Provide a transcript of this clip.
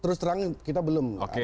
terus terang kita belum